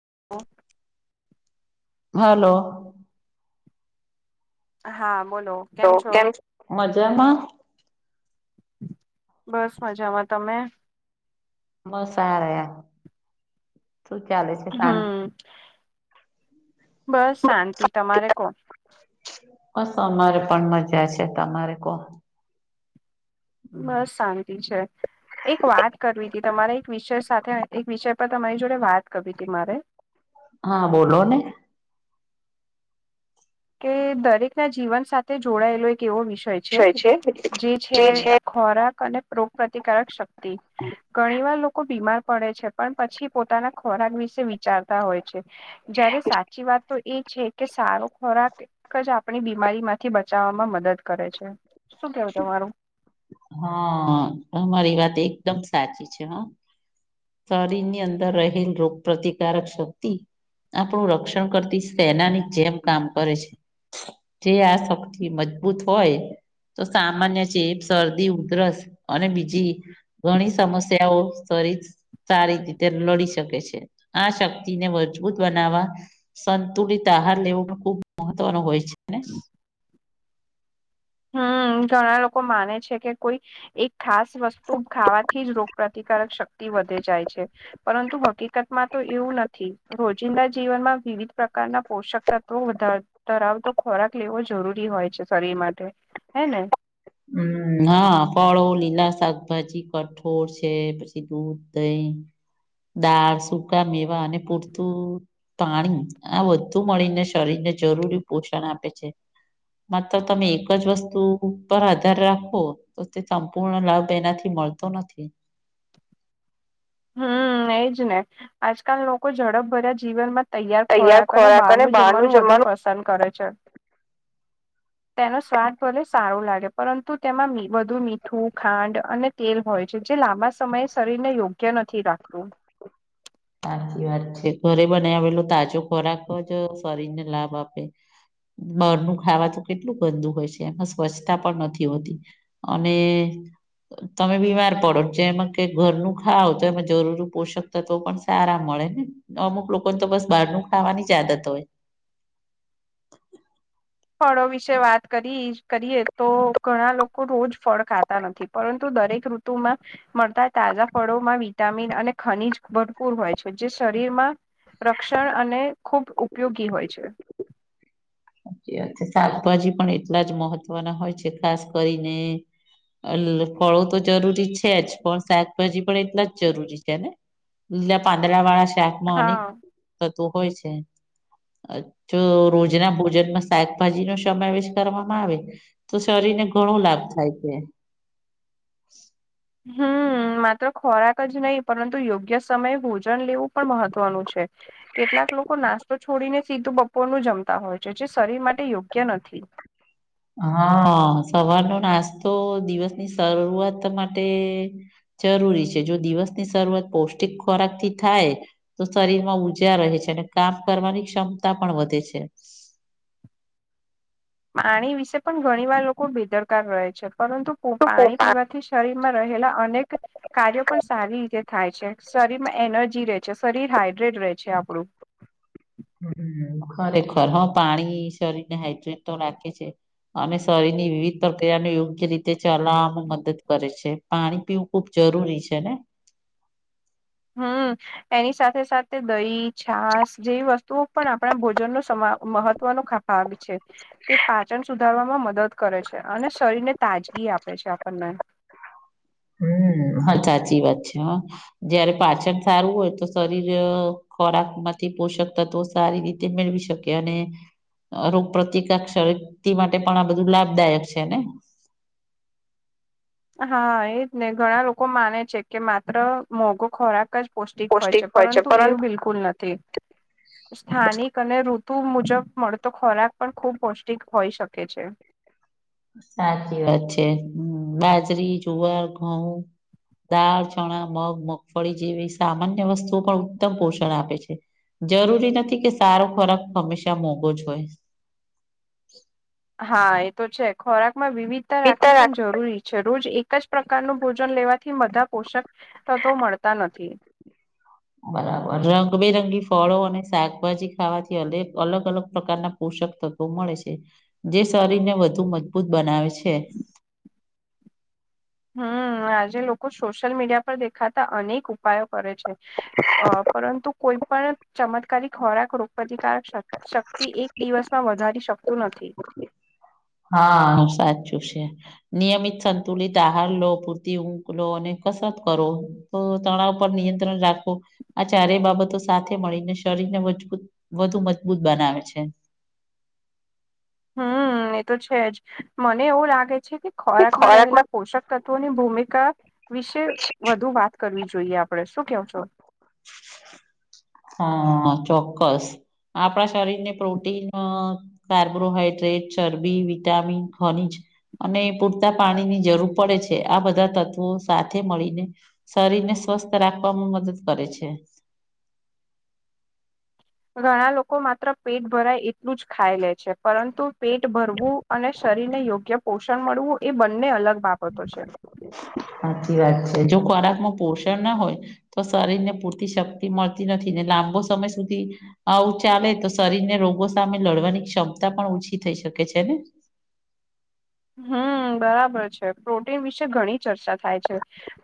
[inaudible] હાલો. હા, બોલો. લો કેમ છ, મજામાં? બસ મજામાં. તમે? બસ આ રહ્યા. શું ચાલે છે? હમ્મ. બસ શાંતિ, તમારે કોણ? બસ અમારે પણ મજા છે. તમારે કહો. બસ શાંતિ છે. એક વાત કરવી હતી, તમારા એક વિષય સાથે એક વિષય પર તમારી જોડે વાત કરવી તી મારે. હા, બોલો ને. કે દરેક ના જીવન સાથે જોડાયેલો એક એવો વિષય છે, જે છે આ ખોરાક અને રોગ પ્રતિકારક શક્ તિ, ઘણી વાર લોકો બીમાર પડે છે, પણ પછી પોતાના ખોરાક વિશે વિ ચારતા હોય છે. જયારે સાચી વાત તો એ છે કે સારો ખોરાક એક જ આપણી બીમારી માંથી બચાવવામાં મદદ કરે છે. શું કેવું તમારું? હા. અમારી વાત એકદમ સાચી છે હા. શરીરની અંદર રહેલ રોગ પ્રતિકારક શક્તિ આપણું રક્ષણ કરતી સેનાની જેમ કામ કરે છે. જે આ શક્તિ મજબૂત હોય, તો સામાન્ય ચેપ્સ શરદી, ઉધરસ, અને બીજી ઘણી સમસ્યાઓ શરીશ સારી રીતે લડી શકે છે. આ શક્તિને મજબૂત બનાવવા સંતુલિત આહાર લેવો પણ ખુબ મહત્વનો હોય છે ને. હમ્મ. ઘણા લોકો માને છે કે કોઈ એક ખાસ વસ્તુ ખાવાથી જ રોગપ્રતિકારક શક્તિ વધે જાય છે. પરંતુ હકીકતમાં તો એવું નથી, રોજિંદા જીવનમાં વિવિધ પ્રકારના પોષક તત્વો વધાર ધરાવતો ખોરાક લેવો જરૂરી હોય છે શરીર માટે. હે ને? હમ્મ. હા, ફળો, લીલા શાકભાજી, કઠોળ છે, પછી દૂધ, દહીં દાળ, સુકા મેવા, અને પૂરતું પાણી, આ બધુ મળીને શરીરને જરૂરી પોષણ આપે છે. હ તો તમે એક જ વસ્તુ પર આધાર રાખો તો તે સંપૂર્ણ લાભ એનાથી મળતો નથી. હમ એજ ને આજકાલ લોકો ઝડપ ભર્યા જીવનમાં તૈયાર ખોરાક અને બહારનું જમવાનું વધુ પસંદ કરે છે. તેનો સ્વાદ ભલે સારો લાગે, પરંતુ તેમાં મી વધું મીઠું, ખાંડ અને તેલ હોય છે, જે લાંબા સમયે શરીરને યોગ્ય નથી રાખતું. સાચી વાત છે. ઘરે બનાવેલું તાજો ખોરાક જ શરીર ને લાભ આપે. બરનું ખાવા તો કેટલું ગંદુ હોય છે, એમાં સ્વચ્છતા પણ નથી હોતી. અને તમે બીમાર પડો, જેમાં કે ઘરનું ખાવ તો એમાં જરૂરી પોષકતત્વ પણ સારા મળે ને, તો અમુક લોકો તો બસ બારનુ ખાવાની જ આદત હોય. ફળો વિશે વાત કરી કરીએ તો ઘણા લોકો રોજ ફળ ખાતા નથી. પરંતુ દરેક ઋતુમાં મળતા તાજા ફળોમાં વિટામિન અને ખનીજ ભરપૂર હોય છો. જે શરીરમાં રક્ષણ અને ખૂબ ઉપયોગી હોય છે. હાથે શાકભાજી પણ એટલા જ મહત્વના હોય છે. ખાસ કરીને અલ ફળો તો જરૂરી છે જ પણ શાકભાજી પણ એટલા જ જરૂરી છે ને. લા પાંદડા વાળા શાક મની હા થતું હોય છે. જો રોજના ભોજનમાં શાકભાજી નો સમાવેશ કરવામાં આવે, તો શરીરને ઘણો લાભ થાય છે. હમ, માત્ર ખોરાક જ નહીં પરંતુ યોગ્ય સમયે ભોજન લેવું પણ મહત્વનું છે. છે. કેટલાક લોકો નાસ્ તો છોડીને સીધું બપોરનું જમતા હોય છે, જે શરીર માટે યોગ્ય નથી. હા સવારનો નાસ્તો દિવસની શરૂઆત માટે જરૂરી છે. જો દિવસની શરૂઆત પૌષ્ટિક ખોરાક થી થાય તો શરીર માં ઉર્જા રહે છે અને કામ કરવાની ક્ષમતા પણ વધે છે. પાણી વિશે પણ ઘણી વાર લોકો બેદરકાર રહે છે. પરંતુ પો તો પાણી પોતા પીવા થી શરીર માં રહેલા અનેક કાર્યો પણ સારી રીતે થાય છે. શરીરમાં એનર્જી રહે છે. શરીર હાઈડ્રેટ રહે છે આપડું. હ ખરેખર હ પાણી શરીર ને હાઈડ્રેટ તો રાખે છે. અને શરીરની વિવિધ તકિયા ને યોગ્ય રીતે ચલાવામાં મદદ કરે છે. પાણી પીવું ખુબ જરૂરી છે ને. હમ એની સાથે સાથે દહી છાસ જેવી વસ્તુ તુ પણ આપણા ભોજન નો સમા મહત્વનો ખા ભાગ છે. તે પાચન સુધારવામાં મદદ કરે છે અને શરીરને તાજગી આપે છે આપણને. હમ હ ઝાચી વાત છે હો. જયારે પાચન સારું હોય તો શરીર ખોરાક માંથી પોષક તત્વો સારી રીતે તે મેળવી શકે અને રોગપ્રતિકાક્ષરતિ માટે પણ આ બધું લાભદાયક છે ને? હા એજ ને ઘણા લોકો માને છે કે માત્ર મોઘો ખોરાક જ પૌષ્ટિક હોય છે પરંતુ એવું બિલકુલ નથી. સ્થાનિક અને ઋતુ મુજબ મળતો ખોરાક પણ ખુબ પૌષ્ટિક હોઈ શકે છે. સાચી વાત છે. હમ બાજરી, જુવાર, ઘઉં.. દાળ, ચણા, મગ, મગફળી જેવી સામાન્ય વસ્તુઓ પણ ઉત્તમ પોષણ આપે છે. જરૂરી નથી કે સારો ખોરાક હંમેશા મોંઘો જ હોય. હા, એ તો છે ખોરાકમાં વિવિધતા રાખવી પણ જરૂરી છે. રોજ એક જ પ્રકારનું ભોજન લેવાથી બધા પોષક તત્વો મળતા નથી. બરાબર રંગબેરંગી ફળો અને શાકભાજી ખાવાથી અગ અલગ અલગ પ્રકારના પોષક તત્વો મળે છે. જે શરીરને વધુ મજબૂત બનાવે છે. હમ આજે લોકો સોશિયલ મીડિયા પર દેખાતા અનેક ઉપાયો કરે છે. અ પરંતુ કોઈ પણ ચમત્કારી ખોરાક રોગપ્રતિકારક શ શક્તિ એક દિવસ માં વધારી શકતું નથી હા સાચું છે. નિયમિત સંતુલિત આહાર લો પૂરતી ઊંઘ લો અને કસરત કરો. તો તણાવ પર નિયંત્રણ રાખો. આ ચારેય બાબતો સાથે મળીને શરીરને મજબૂત વધુ મજબૂત બનાવે છે. હમ એ તો છે જ મને એવું લાગે છે કે ખોરાકમાં રહેલા પોષક તત્વની ભૂમિકા વિશે વધુ વાત કરવી જોઈએ આપડે શું કેવ છો? ત હા ચોક્કસ, આપણા શરીર ને પ્રોટીન કાબ્રૉહાઈડ્રેટ, ચરબી, વિટામિન, ખનીજ અને પૂરતા પાણી ની જરૂર પડે છે. આ બધા તત્વો સાથે મળીને શરીરને સ્વસ્થ રાખવામાં મદદ કરે છે. ઘણા લોકો માત્ર પેટ ભરાય એટલું જ ખાઈ લે છે પરંતુ પેટ ભરવું અને શરીર ને યોગ્ય પોષણ મળવું એ બંને અલગ બાબ સાચી વાત છે જો ખોરાકમાં પોષણ ના હોય તો શરીર ને પૂરતી શક્તિ મળતી નથી ને લાંબો સમય સુધી આવું ચાલે તો શરીર ને રોગો સામે લડવાની ક્ષમતા પણ ઓછી થઈ શકે છે ને? હમ બરાબર છે પ્રોટીન વિશે ઘણી ચર્ચા થાય છે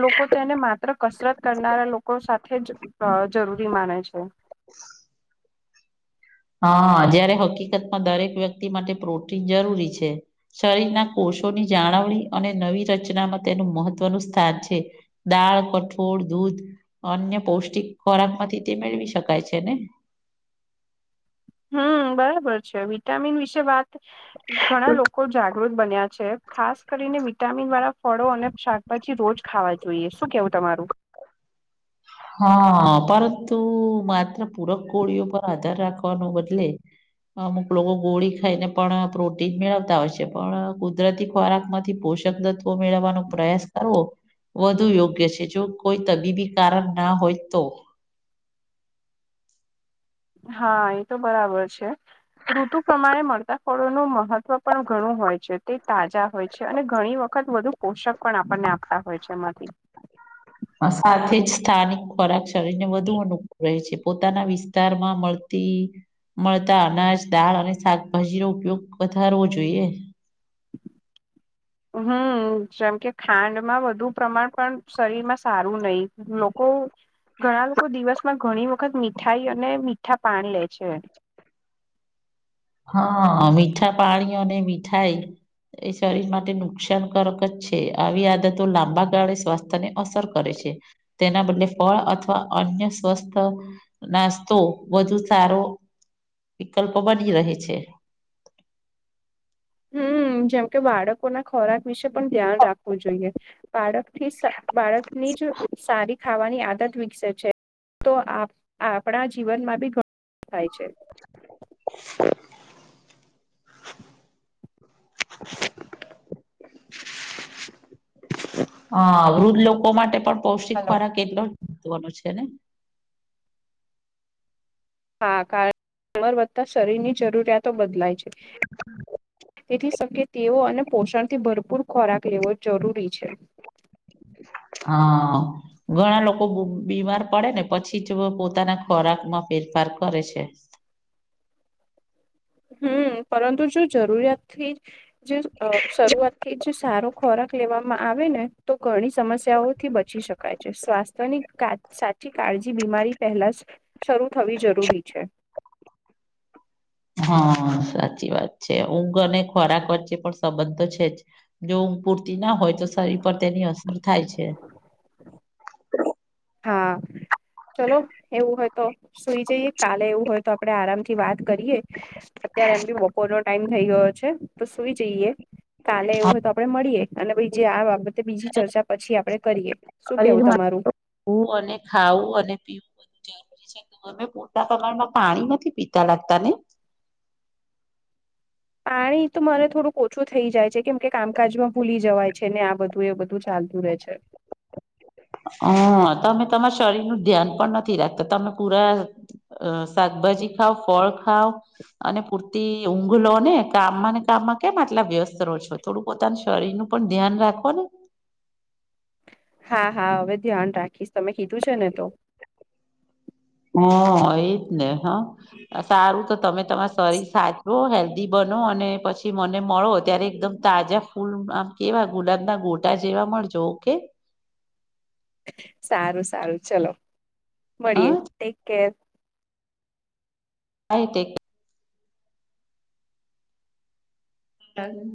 લોકો તેને મા કસરત કરનારા લોકો સાથે જ જરૂરી માને છે. [inaudible] હા જયારે હકીકતમાં દરેક વ્યક્તિ માટે પ્રોટીન જરૂરી છે. શરીરના કોષોની જાળવણી અને નવી રચનામાં તેનું મહત્વનું સ્થાન છે. દાળ કઠોળ દૂધ અન્ય પૌષ્ટિક ખોરાક માંથી તે મેળવી શકાય છેને. હમ બરાબર છે વિટામિન વિશે વાત ઘણા લોકો. જાગૃત બન્યા છે ખાસ કરીને વિટામીન વાળા ફળો અને શાકભાજી રોજ ખાવા જોઈએ શું કેવું તમારું? હા પરંતુ માત્ર પૂરક કોળીઓ પર આધાર રાખો કો ન બદલે અમુક લોકો ગોળી ખાઈને પણ પ્રોટીન મેળવતા હોય છે પણ કુદરતી ખોરાકમાં પોષક તત્વો મેળવવાનો પ્રયાસ કરવો વધુ યોગ્ય છે જો કોઈ તબીબી કારણ ના હોય તો. હા એ તો બરાબર છે. ઋતુ પ્રમાણે મળતા ફળોનું મહત્વ પણ ઘણું હોય છે તે તાજા હોય છે અને ઘણી વખત ખત વધુ પોષક પણ આપણને આપતા હોય છે એમાંથી સાથે જ સ્થાનિક ખોરાક શરીર ને વધુ અનુકૂળ રહે છે પોતાના વિસ્તારમાં મળ. થી મળતા અનાજ દાળ અને શાકભાજી નો ઉપયોગ વધાર હોવો જોઈએ. હમ જેમ કે ખાંડમાં વધુ પ્રમાણ પણ શરીર માં સારું નહી લોકો ઘણા લોકો દિવસમાં ઘણી વખત મીઠાઈ અને મીઠા પાન લે છે. હા મીઠા પાણીઓ મીઠાઈ એ શરીર માટે નુકસાનકારક જ છે આવી આદતો લાંબા ગાળે સ્વાસ્થ્યને અસર કરે છે. તેના બદલે ફળ અથવા અન્ય સ્વસ્થ નાસ્તો વધુ સારો વિકલ્પ બની રહે છે. હમ જેમકે બાળકો ના ખોરાક વિશે પણ ધ્યાન રાખવું જોઈએ બાળક થી બાળકની જ સારી ખાવાની આદત વિકસે છે તો આપણા જીવનમાં બી ઘણું થાય છે. [unintelligible] [unintelligible] હ વૃદ્ધ લોકો માટે પણ પૌષ્ટિક હલો ખોરાક કેટલો મહત્વનો છે ને હા કારણ અર વધતા શરીર ની જરૂરિયાતો બદલાય છે. તેથી શકે તેઓ અને પોષણથી ભરપૂર ભરપૂર ખોરાક લેવો જરૂરી છે. હા. ઘણા લોકો બીમાર પડે ને પછી જ પોતાના ખોરાક માં ફેરફાર કરે છે. હમ પરંતુ જો જરૂરિયાત થી જે શરૂઆત થી જે સારો ખોરાક લેવામાં આવે ને તો ઘણી સમસ્યાઓથી બચી શકે. છે સ્વાસ્થ્યની સાચી કાળજી બીમારી પહેલા જ શરૂ થવી જરૂરી છે. હા સાચી વાત છે ઊંઘ અને ખોરાક વચ્ચે પણ સંબંધ છે જ જોં પૂરતી ના હોય તો શરીર પર તેની અસર થાય છે. હા. ચલો એવું હોય તો સુઈ જઈએ કાલે એવું હોય તો આપડે આરામથી વાત કરીએ. અત્યારે એમ બી બપોર નો ટાઈમ થઈ ગયો છે તો સુઈ જઈએ. કાલે એવું આમ હોય તો આપડે મળીએ અને જે આ બાબતે બીજી ચર્ચા પછી આપણે કરીએ. શું શરીર કેવું માં તમારું અને ખાવું અને પીવું બધું જ અમે પોતા પ્રમાણમાં પાણી નથી પીતા લાગતા ને. પાણી તો મારે થોડુંક ઓછું થઈ જાય છે કેમ કે કામકાજમાં ભૂલી જવાય છે ને આ બધું એ બધું. ચાલતું રહે છે. હ તમે તમારા શરીર નું ધ્યાન પણ નથી રાખતા તમે પુરા અ શાકભાજી ખાઓ ફળ ખાઓ. અને પૂરતી ઊંઘ લો ને કામમાં ને કામમાં કેમ આટલા વ્યસ્ત રહો છો. થોડું પોતાના શરીર નું પણ ધ્યાન રાખો ને. હા, હા હવે ધ્યાન રાખીશ તમે કીધું છે ને તો. હા એજ ને હા. સારું તો તમે તમાર શરીર સાચો હેલ્ધી બનો અને પછી મને મળો ત્યારે એકદમ તાજા ફૂલ આમ કેવા ગુલાબના ગોટા જેવા મળજો ઓકે. સારું સારું ચલો મળીએ ટેક કેર. Bye tech [inaudible]